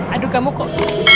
aduh kamu kok